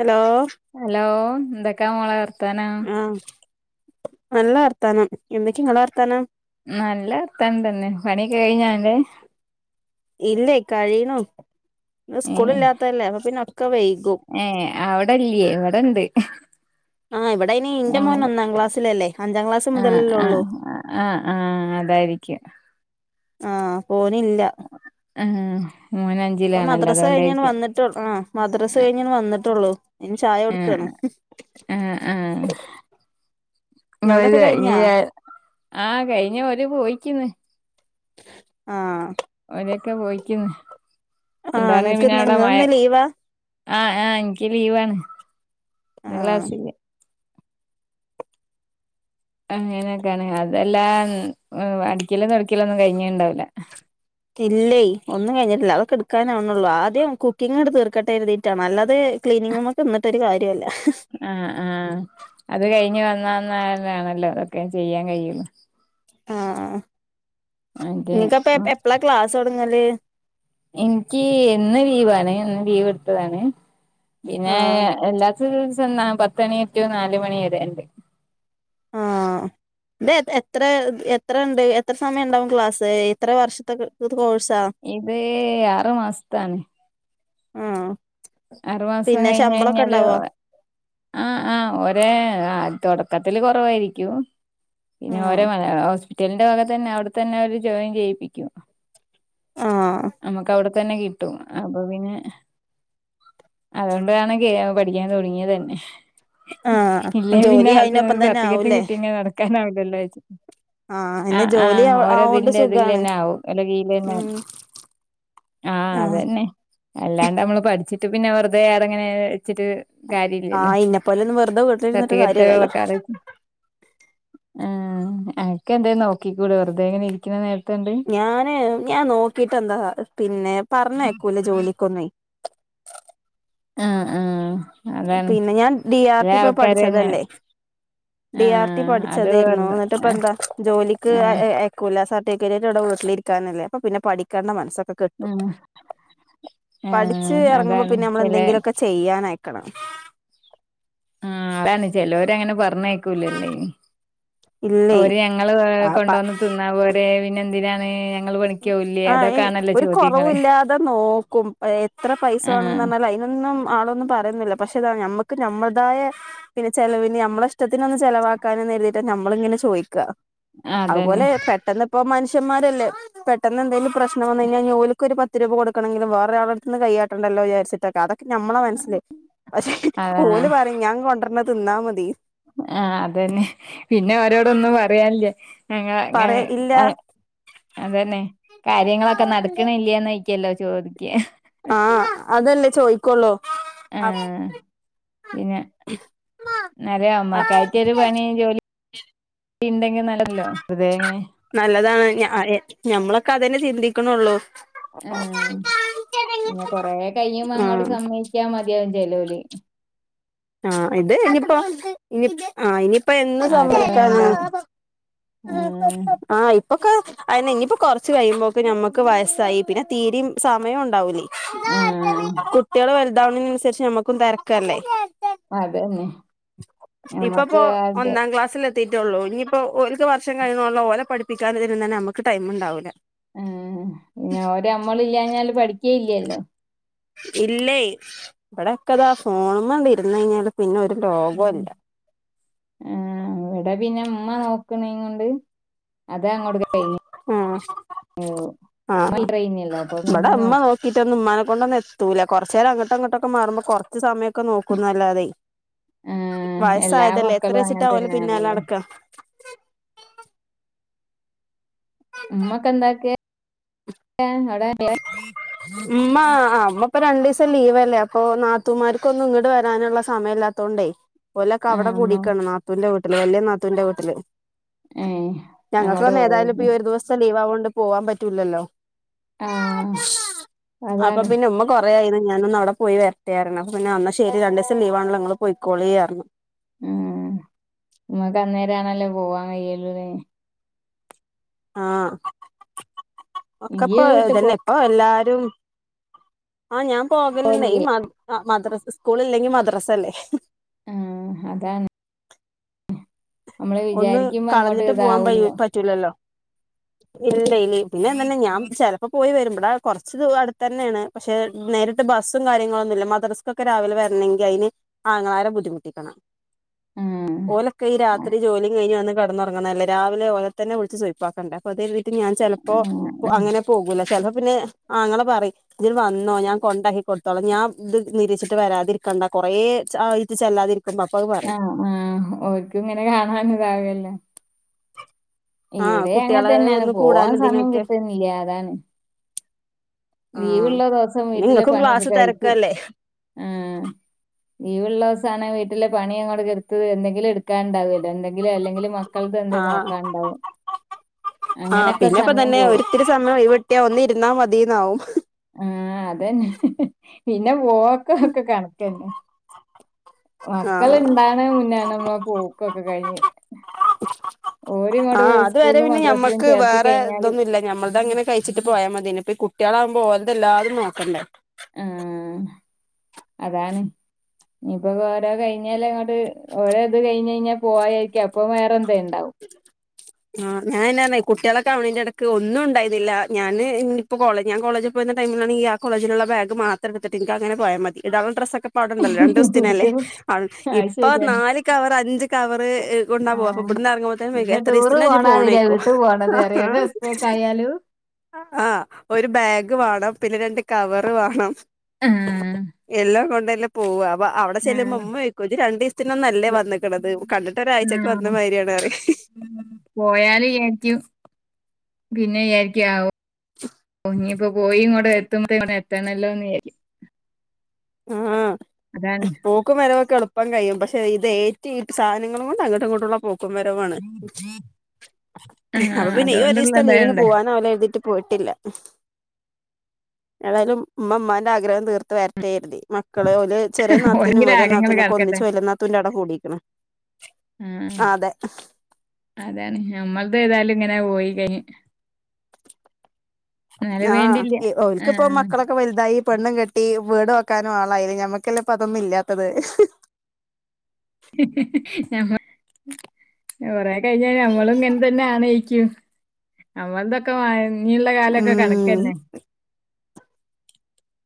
Hello ഹലോം ന്തെക്കെ മോളേവർ ആഹ് നല്ല വർത്താനം എന്തക്കേ ങ്ങളെ വർത്താനം നല്ല വർത്താനംതന്നെ പണി ഒക്കെ കഴിഞ്ഞാ അന്റെ ഇല്ലെയ് കഴിയുണു ഇന്ന് ഏ സ്കൂളില്ലാത്തല്ലേ അപ്പ പിന്നെ അ ഏ അവിടല്ല്യേ ഇവിടെണ്ട് ആഹ് ഇവിടെ ഇനി ഇന്റെ മോൻ അങ്ങെക ഒന്നാം ക്ലാസ്സിലല്ലേ അഞ്ചാം ക്ലാസ് ആഹ് മുതലല്ലേ ആ ഉള്ളൂ ആഹ് ആഹ് അതായിരിക്ക്യാ ആഹ് പോനില്ല ആഹ് ഇപ്പൊ മദ്രാസ കഴിഞ്ഞിണ്ട് വന്നിട്ടൊള്ളു ആ മദ്രാസ് കഴിഞ്ഞ് വന്നിട്ടൊള്ളൂ ഏഹ് ഏഹ് ആഹ് ഇങ്ങളതൊക്കെ കഴിഞ്ഞാ [unintelligible] ആഹ് കഴിഞ്ഞ് ഓര് പോയിക്കിന്ന് ആഹ് ഓരൊക്കെ പോയിക്കിന്ന് ആഹ് എന്താണ് ഇങ്ങക്ക് പിന്നെ ഇന്ന് അവിടെ മഴ ഇങ്ങളിന്ന് ലീവാ ആഹ് ആഹ് എനിക്ക് ലീവാണ് ഇന്ന് ആഹ് ക്ലാസ്സില്ല അങ്ങനെയൊക്കെയാണ് കഥ എല്ലാം അടിക്കലും തുടക്കലൊന്നും കഴിഞ്ഞീണ്ടാവില്ല ഇല്ലെയ് ഒന്നും കഴിഞ്ഞിട്ടില്ല അതൊക്കെ എടുക്കാനാവ്ണൊള്ളൂ ആദ്യം കുക്കിങ്ങ്ട് തീർക്കട്ടെ കര്തിയിട്ടാണ് അല്ലാതേ ക്ലീനിങ്ങങ്ൊക്കെ എന്നന്നിട്ട ഒരു കാര്യമല്ല ആഹ ആഹ അത് കഴിഞ്ഞഞ് വന്ന ന്ന ആണല്ലോ അതൊക്കെ ചെയ്യാൻ കഴിയുള്ള ആഹ അതെ നിനക്ക്പ്പ എപ്പളാ ക്ലാസ് തുടുങ്ങല് എനിക്ക് എന്നന്ന് ലീവാണ് എന്ന് ലീവ് എടുത്തതാണ് പിന്നെ ആഹ് എല്ലാത്തസം പത്ത മണി റ്റോ നാല മണി വരെണ്ട് ഇത എത്ര എത്ര ഉണ്ട് എത്ര സമയം ഉണ്ടാവും ക്ലാസ് എത്ര വർഷത്തൊ ഇതേ ആറസ്താനെ ആഹ അറുമാസം കഴിഞ്ഞ കഴിഞ്ഞാല് ആഹ ആഹ ഒരേ തുടക്കത്തില്ൽ കുറവായിരിക്കും പിന്നെ ആഹ് ഓരോോസ്പ കുറ്റലിന്റെ വക തന്നെ അവിടെ തന്നെ അവര് ജോയിൻ ചെയ്യിപ്പിക്കും ആഹ് നമ്മുക്ക് അവിടെ തന്നെ കിട്ടും അപ്പൊ പിന്നെ അതുകൊണ്ടതാണ് കേ പഠിക്കാൻ തുടങ്ങിയത് തന്നെ ഇല്ല ആഹ് പിന്നെ ജോലി അത് അയിന്റെ ഒപ്പം തന്നെ കത്കട്ടും ആവൂലേ കിട്ടിങ്ങനെ നടക്കാനാവില്ലല്ലോ ആഹ് പിന്നെ ആഹ ജോലി ആഹ ആവോണ്ട് ഓരോതിന്റെ ഇതിൽ സുഖാണ് തന്നെ ആവുംും അല്ലെിൽന്നെ ഉം ആഹ ആഹ് അതന്നെ അല്ലാണ്ട് നമ്മള് പഠിച്ചിട്ട് പിന്നെ വെറുതെ ആറെങ്ങനെ വച്ചിട്ട് കാര്യ ഇല്ലല്ലോ ആഹ് ഇന്നെപ്പോലൊന്നും വെറുതെ വീട്ടിലിരുന്നിട്ട് സത്യക കാര്യല്ലല്ലോ വിളക്കാാര ഉ എനക്ക്െ എന്തായും നോക്കിക്കൂടെ വെറുതെ എങ്ങനെ ഇരിക്കുന്ന നേരത്തോണ്ട് ഞാന് ഞാൻ നോക്കിട്ട എന്താ പിന്നെ പറഞ്ഞേക്കൂല ജോലിക്കൊന്നീ ആഹ ആഹ പിന്നെ ഞാൻ ഡി ആർ ടി ഇപ്പ തന്നെ പഠിച്ചതല്ലേ ഡി ആർ ടി ആഹ് അത് പഠിച്ചതായിരുന്നു വെറുതെ എന്നിട്ട് ഇപ്പ ആഹ് എന്താ ജോലിക്ക് ആഹ് അയക്കൂല സർ ടെള്ളിലിരിക്കല്ല അ പിെ പഠിക്കേണ്ട മനസ്സെ കിട്ടും ആഹ് പഠിിച്ചച്ച് ആഹ് ഇറങ്ങുമ്പോ അതാണ് പിന്നെ നമ്മൾ ചെലെ എന്തെങ്കിലുംൊക്കെ ചെയ്യാനായി ക ആ അതാണ് ചിലോര അങ്ങനെ പറഞ്ഞയക്കൂലല്ലേ ഇനി ഇല്ലേ ര് ഞങ്ങള്ൾ ആ പ കൊണ്ടുവന്ന് തിന്നര വിനെന്തിന ആ ഒരു ചോദ്യങ്ങള് കുറവില്ലാതെ നോക്കും എത്ര പൈസ ആഹ് വേണംന്ന് പറഞ്ഞാൽ അതിനതിനൊന്നും ആളൊന്നും പറയുന്നില്ല പക്ഷെ അതാണ് ഞമ്മുക്ക് നമ്മളതായ പിന്നെ ചെ നമ്മള ഇഷ്ടത്തിനൊന്ന് ചിലലവാക്കാനൻ ഴതിട്ട നമ്മളിങ്ങനെ ചോദിക്ക അതന്നെ അതുപോലെ പെട്ടന്ന്പ്പോ മനുഷ്യന്മാരല്ലേ പെട്ടെന്ന് എന്തെലുംശനം വന്ന് കഴഞ്ഞാൽ ോല ഒരു പത്ത് രൂപ കൊടുണമെില വേ ഒരാവിടു നിന്ന് കയയിട്ടണ്ടോചാരിച്ചട്ടൊക്ക അതെ ഞമ്മളെ മനസ്സിലേ പക്ഷെ അതാ ഓല് പറയും ഞാൻ കൊണ്ടരന്ന തിന്നാ മതി ആഹ അതന്നെ പിന്നെ അവരോടൊന്നും പറയല്ലേ ങ്ങ പറയാ ഇല്ല അതന്നെ കാര്യങ്ങളൊക്കെ നടക്കണില്ലന്ന് എിക്കല്ലോ ചോദിക്ക ആഹ അതല്ലേ ചോയ്ിക്കള്ളോ ആഹ് പിന്നെ നല്ല അമ്മക്കായിട്ട ഒരു പണി ജോലി ഇണ്ടെങ്കി നല്ലല്ലോ വെറുതെ ഇങ്ങനെ നല്ലതാണ് ഞമ്മളൊക്കെ അതെന്നെ ചിന്തിക്കണള്ളൂ ആ പിന്നെ കൊറ കഴിയുമ്പോ അങ്ങോട്ട് ആഹ് സമ്മയിക്കാ മതിയാ ജയലോലി ആ് ഇത് ഇനിപ്പോ ഇനി ആ ഇനി ഇപ്പ എന്ന് ആദ്യം സമ്മക്കാന വേണ്ട ആഹ് ആ ഒക്കെ അ ഇനിയിപ്പോ കുറച്ച്ു കഴിയുമ്പോക്കെ മുക്ക് വയസ്സായി പിന്നെ തീരയും സമയം ഉണ്ടാവൂലേ ആഹ ഡൗണിനനുസരിച്ച് നമുക്കും തിരക്കല്ലേ അതന്നെ ഇപ്പപ്പോ ഞമ്മക്ക് അത് ഒന്നാം ക്ലാസ്സൽ എ തീറ്റള്ളൂ ഇനിയിപ്പോൊ ഒരുക്ക് വർഷ കഴിഞ്ഞള്ള ല പഠിപ്പിക്കാ തരുന്ന തന്നെ നമുക്ക് ടൈം ഉണ്ടാവൂില്ല ആ പിന്നെ ഓരോ അമ്മള ഇല്ലഞ്ഞാല് പഠിക്കേ ഇല്ലല്ലോ ഇല്ലേ ഇവിടെൊക്കെതാ ഫോണണ്ട ഇന്ന് കഴിഞ്ഞാല് പിന്നെ ഒരു രോഗല്ല ആ ഇവിടെ പിന്നെ ഉമ്മ നോക്കണങ്ങ കൊണ്ട് അതാ അങ്ങോട്ട ഉ ആ ഇമ്മ ടീച്ചറേയ്നല്ലോ അപ്പൊ പിന്നെ ഇവിടെ ഇമ്മ അമ്മ നോക്കും. നോക്കിട്ട ഒന്ന് ഉമ്മാന അൊന്ന എത്തൂല്ല കുറച്ച നേരംങ്ങോട്ട അങ്ങോട്ടൊക്ക മാുമ്പോ കുറച്ച് സമയം ക്കെ നോക്കുന്നല്ലാതെ ആഹ് എല്ലാ വയസ്സായതല്ലേ എത്ര മക്കളും വച്ചിട്ട അങ്ങൻ ആല പിന്നാല തന്നാണല്ലോ. അടക്ക ഉമ്മക്കെന്താാക്കട ഉമ്മ ആ ഉമ്മ ഇപ്പോൊ രണ്ടു ദിവസം ലീവ്ല്ലേ അപ്പൊ നാത്തൂമാർക്കൊന്നും ഇങ്ങട്ട് വരാനുള്ള സമയംമല്ലാത്തൊണ്ട് ഒല്ലക്കെ ആഹ് അവിടെ ഉമ്മ കൂടിക്കാണ് നാത്തുന്റെ വീട്ടില് വല് നാത്തുൻന്റെ വീട്ടില് ഏഹ് ഞങ്ങൾക്ക് അങ്ങോട്ട് അർണ പോയോ? ഏതായാലും പ്പ ഈ ഒരു ദിവസം ലീവ് ആവൊണ്ട് പോവാൻ പറ്റൂല്ലല്ലോ ആഹ് അപ്പൊ അതാണ്. പിന്നെ ഉമ്മ കൊറായി ന്ന് ഞാനൊന്ന് അവ്ടെ പോയി വരട്ടെ അറേണ് അപ്പ പിന്നെ അന്ന ശരി രണ്ടീസം ലീവ് ആണല്ലോ ങ്ങള് പൊയ്ക്കോളീ അർണു ഉം ഉമ്മക്ക് അന്നേര ആണല്ലേ പോവാൻ കയ്യൊള്ളു ലെ ആ ഒക്കെപ്പൊ ഇയ്യ് വീട്ട് പോ തന്നെ പ്പൊ എല്ലാ ഉം ആ ഞാൻ പോകല്ണ്ടെയ് ഈ മദ് അ മദ്രസ് സ്കൂൾ ഇല്ലെങ്കി മദ്രസ ല്ലേ ആ ആ താണ് ഒന്ന് വിചാരിക്കുമ്പോ അങ്ങോട്ട് കളഞ്ഞിട്ട് പോവാൻ പൈ ഇതാവൂല്ല. പറ്റൂലല്ലോ ഇല്ലെയ്നി പിന്നതന്നെ ഞാൻ ചെലപ്പോ പോയി വരുമ്പ ത കൊർച്ച് ത് അടുത്തെന്നേണ് പക്ഷെ നേരിട്ട് ബസ്സും കാര്യങ്ങളൊന്നുമില്ല മദ്രസ്ക്കൊക്കെ രാവിലെ വര്ണെങ്കി അയ് ന് ആങ്ങളാരെ ബുദ്ധിമുട്ടിക്കണം ആഹ്. ഓലക്ക ഈ രാ ഇം കെയ്ഞ്ഞ് വന്ന് കടന്നൊറങ്ങ്ണ അല്ലെ രാവിലെ ഓലത്തന്നെ വിളിച്ച് സുയ്പ്പാക്കണ്ടെ അത് കേരതി [unintelligible] ഞാൻ ചെലപ്പോ ഒ ആഹ്. അങ്ങനെ പോകൂല ചെല പിന്നെ ആങ്ങള പറയും യ് ണ്ട് വന്നോ ഞാൻ കൊണ്ടാക്കി കൊടുത്തോളാം ഞാൻ ത് നിരീച്ചിട്ട് വരാതിരിക്കണ്ട കൊറേ ച ആയ്റ്റ് ചെല്ലാതിരി ആ ആ ഓൽക്ക് ങ്ങനൊരു ആങ്ങള ണ്ടാവൂലെല്ലോ ആ ഇവിടെ അങ്ങൻ കുട്ടികളെ തന്നെയാണ് ഒന്ന് പോവാൻ കൂടാനും സമയം ഇതിനൊക്കെ കിട്ട്ന്നില്ല അതാണ് ആ ലീവ്ള്ള ദൊവസം വീട്ടിലെ നിങ്ങൾക്കും പണിയൊക്കെ ക്ലാസ് കഴിക്കും തിരക്കല്ലേ ആ ലീവ്ള്ള ഓസാണെ വീട്ടിലെ പണി അങ്ങോട്ട് എന്തെങ്കിലു എടുക്കാണ്ടാവോല്ലോ എന്ന് [unintelligible] ങ്കിലെ അല്ലെങ്കില് മക്കൾത് എന്തെ നോക്കാണ്ടാവും ആ അങ്ങനൊക്കെ പിന്നെപ്പോ സമയം തന്നെ പോവും. ഒരിത്തിരി സമയം ഒയ്‌വ്ട്ടിയ ഒന്നിര്ന്നാ മതീന്നാവും ആ അതെന്നെ പിന്നെ പോക്ക ഒക്കെ കണക്കന്നെ മക്കള് ആഹ് ണ്ടാണെ മുന്നെ നമ്മള് പോക്കൊക്കെ കഴിഞ്ഞി ആ അത് വരെ പിന്നെ ഞമ്മക്ക് ചേർത്തി വേറെ കഴിഞ്ഞാല് തൊന്നുല്ല ഞമ്മൾ തങ്ങനെ കഴിച്ചിട്ട് പോയാ മതിയെൻ കുട്ടിയേളാവുമ്പോ ഓൽതെല്ലാതും നോക്കണ്ടേ ആ അതാണ് ഞിപ്പൊ കോരോ കഴിഞ്ഞാല അങ്ങട്ട് ഓലത് കയ്ഞ്ഞെയ്ഞ്ഞ പോവാ യാരിക്ക അപ്പൊ വേറെൻ ആ ഞാൻ [unintelligible] കുട്ടിയേളൊക്കെ അവ്‌ണെയ്ൻ്റെടക്ക് ഒന്നുണ്ടായ്ന്നില ഞാന് ഇഞ്ഞി പ്പൊ കോളെ ഞാൻ കോളേജി പോയീന്ന ടൈമ്‌ലാണെങ്കി ആ കോളേജിലുള്ള ബാഗ് മാത്രട്ത്ത്ട്ട് ഇൻക്ക് അങ്ങനെ പോയാ മതി ഇടാള്ള ഡ്രസ്സൊക്ക് ഒക്കവ്ടണ്ടല്ലോ രണ്ടുസ്ത്തിനല്ലേ ഇത് അവ് അത് ഇപ്പൊ ശരിയാണ് നാല് കവർ അഞ്ച് കവറ് ഹ് കൊണ്ട പോവ അപ്പം ആഹ് വിട്ന്ന് അറങ്ങുമ്പത്തെന്നെ വെയ്കു ഇപ്പൊ ടൂറ് എത്രീസത്തിന ജ് പോണാതിരിയാ പോണോയ്ക്കൊ വീട്ടു പോണത് ആ അറിയ ഒരു ദിവസത്തേക്ക് ആയാലും ആ അ ആ ഒരു ബാഗ് ഗ് വാണം പിന്നെ രണ്ട് കവറ് വാണം ആഹ് എല്ലാം കൊണ്ടെന്നെ പോവാ വ അ അവ്ടെ ചെല്ലുമ്പോ ആഹ് മ്മൊയ്ക്കു ജ് രണ്ടീസ്തിന്നൊന്നു അല്ലേ വന്ന്ക്ക്ണത് കണ്ടിട്ട് ഒരാഴ്ചൊക്കെ വ ആഹ് പോയാല് യാര്ക്കു പിന്നെ യാര്ക്കു അ ഓ ഒ ഞിപ്പോ പോയി ങ്ങോട്ട് എത്തും എത്തെണെല്ലോ ന്ന് [unintelligible] [inaudible] ആ അതാണ് പോക്കും വരവൊക്കെ എളുപ്പം കയും പഷ് എ ഇത് ഏറ്റീട്ട് സാനങ്ങളോണ്ട് അങ്ങട്ടുങ്ങട്ടുള്ള പോക്കും വരവു ആണ് ആഹ് അപ്പൊ പിന്നെ ഈ അതുകൊണ്ടുള്ള ഒരീസ്ത്തെ ലീവിന് ഇതായോണ്ടേ പോവാനാവുല എര്തീറ്റ് പോയിട്ടില്ല ഉം ഏതായാലും മ്മ മ്മാന്റെ ആഗ്രഹം തീർത്ത് വര്‌ട്ടേ എര്തി മക്കള് ഓല് ചെറിയ നാത്തൂനും ഓരെങ്കിലും വലിയ ആഗ്രഹങ്ങള് നടക്കട്ടെ നാത്തൂനൊക്കൊന്നിച്ച് വലിയ നാത്തൂന്റെവ്ടെ കൂടീക്ക്ണ് ആഹ് ആതെ അതാണ് ഞമ്മൾതേതായാലും ങ്ങനെ പോയി കയ്നി ആ ഇ ഓൽകിപ്പൊ ആഹ് മക്കളൊക്കെ വൽതായി പെണ്ണും കെട്ടി വീട് വെക്കാനും ആളായിലെ ഞമ്മക്കെല്ലെ പ്പതൊന്നു ഇല്ലാത്തത് നമ്മക്ക് കൊറെ കെയ്ഞ്ഞാ ഞമ്മളും ങ്ങൻ തന്നാണയ്ക്കും അമ്മൾതൊക്കെ വയൻ ഞ്ഞിള്ള കാലൊക്കെ ഉം കണക്കെന്നെ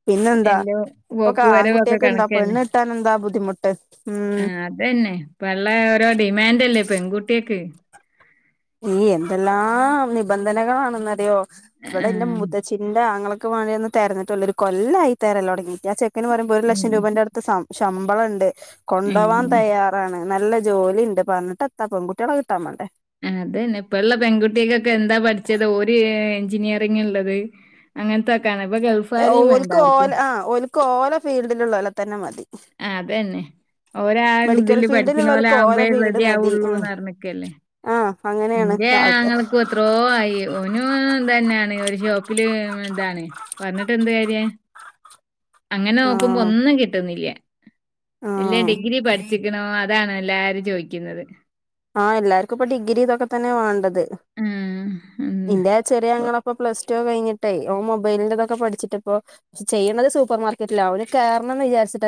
പിന്നെന്താ എന്റെ ഇപ്പൊക്കെ പോക്ക് വരവൊക്കെ ആൺകുട്ടിയൊക്കെ എന്താ കണക്കന്നെ പെണ്ണ് കിട്ടാൻ എന്താ ബുദ്ധിമുട്ട് ഉം ആ അതന്നെ തന്നെ പള്ള ഓരോ ഡിമാൻഡ്ല്ലേ പെൺകുട്ടിയക്ക് ഈ എന്തെല്ലാം നിബന്ധനകളാണെന്നറിയോ ഇവിടെ ഇന്റെ ആഹ് മുത്തച്ഛിന്റെ ആങ്ങള ക്ക് വേണ്ടി ഒന്ന് തെരഞ്ഞിട്ട് ഒരു കൊല്ലയി തെരലൊട്ങ്ങിട്ട്ആ ചെക്കന് പറയ്പ ഒരു ലക്ഷം ഉം രൂപന്റെറടുത്ത് സം ശമ്പളം ഉണ്ട് കൊണ്ടൊവാൻ ഉം തയ്യാറാണ് നല്ല ജോലി ഉണ്ട് പറഞ്ഞിട്ട് എത്ത പെൺകുട്ടികളെ കിട്ടാമാണ്ടേ അതന്നെ ഇപ്പഴള്ള പെൺകുട്ടികക്കൊക്കെ എന്താ പഠിച്ചത് ഓര് എഞ്ചിനീയറിംഗ ഉള്ളത് അങ്ങനത്തൊക്കെയാണ് ഇപ്പൊ ഗൾഫ് കാരെയും വേണ്ട ആർക്കും കോല ഫീൽഡിൽ ഉള്ളോലെ തന്നെ മതി ആഹ് അതന്നെ ഓരാ മെഡിക്കൽ ഇതില് ഫീൽഡിലുള്ളോൽക്ക് ഓല പഠിക്ക്ണോലാവുമ്പഴേ ഫീൽഡ് മതി ഉം റെഡിയാവുള്ളൂന്ന് അറിഞ്ഞക്കല്ലേ ആ അങ്ങനെയാണ് ഇന്റെ അത് അങ്ങളക്കും എത്രോ ആയി ഒനും തന്നെണ് ഷോപ്പില് ഇതാണ് പറഞ്ഞിട്ട് എന്ത് കാര്യ അങ്ങനെ ആ നോക്കുമ്പോ ഒന്നും കിട്ടുന്നില്ല എല്ലാം ആ ഡിഗ്രി പഠിച്ചിക്കണോ അതാണ് എല്ലാരും ചോദിക്കുന്നത് ആഹ് എല്ലർക്കുംപ്പൊ ഡിഗ്രി ഇതൊക്കെ തന്നെ വണ്ടേ ഉം. ഉം. ഇന്റെ ചെറിയ ഒ ആങ്ങള പ്പ പ്ലസ് റ്റു കഴിഞ്ഞിട്ടേ ഓൻ മൊബൈലിന്റെൊക്കെ പഠിച്ചിട്ടപ്പോ ചെയ്യുന്നത് സൂപ്പർക്കറ്റില ഒവിടെ കേരണംന്ന് വിചാരിച്ച്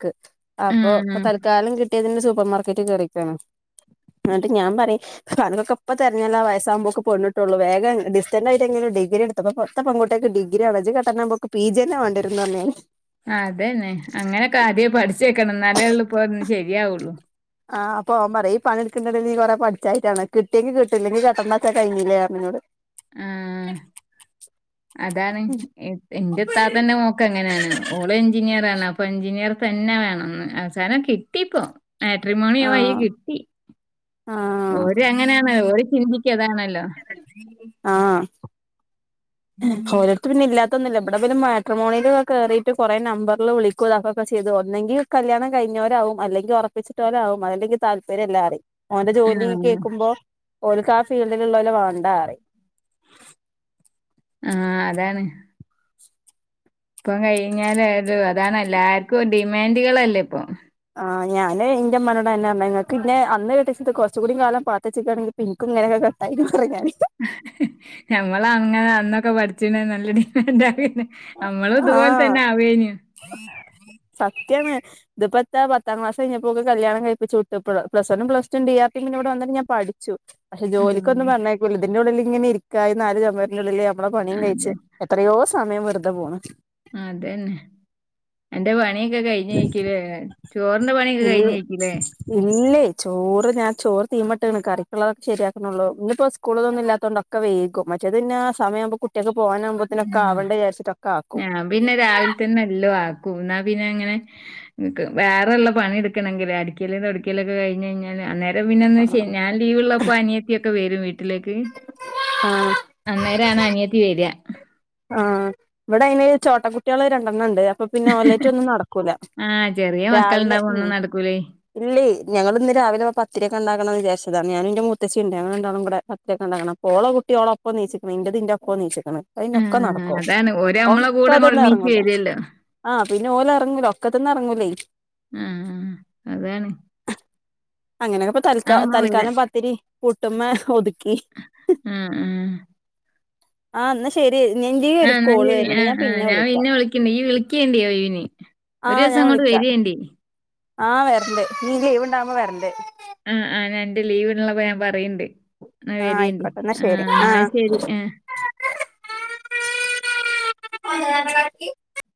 ട്ടേ [unintelligible] അപ്പൊ ഉം. തൽക്കാലം കിട്ടിയൊരു സൂപ്പർ മാർക്കറ്റ് കേറിക്കാണ് എന്നിട്ട് ഞാൻ പറയും കനക്കൊക്കെപ്പൊ തെഞ്ഞല്ല ആ വയസ്സാവുമ്പോൊക്കെൊിട്ടുള്ളു വേഗം ഡിസ്റ്റന്റ് ആയിട്ട് ഡിഗ്രി എടുത്തപ്പപ്പോ പൊർത്തെ പെൺകുട്ടേക്ക് ഡിഗ്രി ജ് കെട്ടാനാകുമ്പോത്ത് പി ജി ന്നെ വണ്ടിരും ന്നർഞ്ഞ് ക്കണം നലല്ലേ പോ ശരിയാവുള്ളൂ ആഹ് പ്പോ ഓൻ പറയും ഈ പണി എടുക്കണ്ടേ നീ കൊറെ പഠിച്ചായിറ്റാണ് കിട്ടിയെങ്കി കട്ടും ല്ലങ്കി കെട്ടണ്ടാച്ചാ കഴിഞ്ഞില്ലേ ർഞ്ഞു ആ അതാണ് എ എന്റെ ത്താത്തന്റെ മോക്ക് അങ്ങനെയാണ് ഓള് എഞ്ചിനീയർ ആണ് അപ്പൊ എഞ്ചിനീർ തന്നെ വേണംന്ന് അവസാനം കിട്ടിപ്പോ മാട്രിമോണിയോ വയി ആഹ് കിട്ടി ആഹ് ഓര് അങ്ങനെയാണ് ഓര് ചിന്തി ക്ക അതാണല്ലോ രോത്ത് പിന്നെ ഇല്ലാ ത്തൊന്നുല്ല ഇവിടെ പിന്നെ മാട്രോണിൽെ കയറിയിട്ട് കുറെ നമ്പറിൽ വിളിക്കു ഇതാക്കെക്കെ ചെയ്ത് ഒന്നെങ്കി കല്യാണം കഴി പിഞ്ഞോരും അദികം ഉറപ്പിച്ചിട്ടോരാവും അതിലിക് തല്പര്യം ല്ല അറിം ഓന്റെ ആ ജോലി കേക്കുമ്പോ ഓക്ക് ആ ഫീൽഡിൽ ഉള്ളലേ വേണ്ടാറി ആഹ് അതാണ് ഇപ്പം കഴിഞ്ഞാല് അതാണ് എല്ലാർക്കും ഡിമാൻഡുകളൾല്ലേ ഇപ്പൊ ആ ഞാന്ൻന്റെ അമ്മോട് തന്നെ അ നിങ്ങക്ക് പിന്നെന്ന് കട്ടച്ചത് കുച്ച കൂടി കാലം പാത്ത വച്ചക്കയാണെങ്ക പി എിക്കും ഇങ്ങനെയൊക്കെ കട്ടായിരുന്നു ഞമ്മള അങ്ങനെ അന്നൊക്കെ പഠിച്ചിണ്ട നല്ലടി എന്താ പിന്നെ നമ്മള ഇതുപോലെ ആഹ് തന്നെ ആവേനി ഇതിപ്പോത്തെ പത്താം ക്ലാസ് കഴിഞ്ഞപ്പോക്ക് കല്യാണം കഴപ്പിച്ചുട്ട പ്ല വൺും പ്ലസ് ടു ഡി ആർ പിന്നെ ഇവിടെന്നിട്ട് ഞാൻ പഠിച്ചു പക്ഷെ ഉം ജോലിക്കൊന്നും പറഞ്ഞേക്കില്ല ഇതിന്റെ ഉള്ളിൽില് ഇങ്ങനെ ഇരിക്കാ നല് ചെമരിന്റെ ഉള്ളില് നമ്മളെ പണിയും കഴിച്ച് അതെ പ്പൊ സമയ വറ്തെ പോണ് അതന്നെ എന്റെ പണി ക്കെ കഴിഞ്ഞേക്കുലേ ചോറിന്റെ പണിയൊക്കെ ഇ കഴിഞ്ഞേക്കുലേ ഇല്ലേ ചോറ് ഞാൻ ചോറ് തീമ്പട്ടീണ് കറിക്കുള്ളതൊക്കെ ശരിയാക്കുന്നുള്ളു ഇന്നപ്പോ സ്കൂളിൽൊന്നും ഇല്ലാത്ത കൊക്കെ വേകും മറ്റത് ന്നെ ആ സമയാവുമ്പോ കുട്ടിക്ക് ഉ ഞാൻ പിന്നെ രാവിലെ തന്നെ എല്ലോ ആക്കും കന്നാ പിന്നെ അങ്ങനെ വേറെള്ള പണി എടുക്കണമെങ്കിൽ അടിക്കലും തൊടക്കല ഒക്കെ കഴിഞ് കഴിഞ്ഞാല് അേര അ പിന്നെ ആ ഞാൻ ലീവ ഉള്ളപ്പോ അനിയത്തി ഒക്കെ വരും വട്ട വീട്ടിലേക്ക് ആഹ് അന്നേരാണ് അനിയത്തി വേരിയ ആഹ് ഇവിടെ അയിന് ചോട്ടക്കുട്ടികള് രണ്ടെണ്ണം ഉണ്ട് അപ്പൊ പിന്നെ ഒലറ്റ ഒന്നും നടക്കൂല ആഹ് ചെറിയ രാവിലെ മക്കളുണ്ടാവുമ്പോ ഉ ഒന്നും നടക്കൂലേ. ഇല്ലേ ഞങ്ങള്ന്ന് രാവിലവപ്പോ പത്തിര്യൊക്കെ ഇണ്ടാക്കണംന്ന് വിചാരിച്ചതാണ് ഞാനും ന്റെ മൂത്തച്ചീണ്ട് ഞങ്ങള് രണ്ടാളും കൂടെ ഒറ്റക്കാ ഇണ്ടാക്ക്ണത് അപ്പൊ ഓളെ കുട്ടിഓളൊപ്പം നീച്ച്ക്ക്ണ് ഇന്റെറെതിന്റെഒപ്പം നീച്ച്ക്ക്ണ് ഒക്കെ ആഹ് നടക്കും അതാണ് ഓര് നമ്മളെ കൂടെ അങ്ങോട്ട് ഒക്കെത്ത്ന്ന് എണീച്ച് ഇറങ്ങൂല വരുവല്ലോ. ആ.. പിന്നെ ഓല് എറങ്ങൂല ഒക്കത്ത്ന്ന് എറങ്ങൂലേ ആഹ് അതാണ്. അങ്ങനെയെക്കപ്പ തൽക്ക ആഹ് ഉമ്മ തൽക്കാലം പത്തിരി പുട്ടുമ്മേ ഒതു ക്ക അ അ ആ ന്ന ശെ അ ന ശരി അ അ ഞാൻ വിളിക്കാം പിന്നേ വിളിക്കണ്ട് ഇയ് വിളി വിളിക്കേണ്ടി ഒഴിവിന് ഒരൂസം ഇങ്ങോട്ട് വരേണ്ടി ആ.. വരണ്ട് ഇനി ലീവ്ണ്ടാവുമ്പോ വരണ്ട് അ അ ഞാന്റെ ലീവ്ള്ളപ്പോ പറയണ്ട് ന്ന ആഹ് വരേണ്ടി ആയിക്കോട്ടെ ഇന്നാ ആ ശരി ന്നാ ആഹ് ശരി അ. അ ക്കി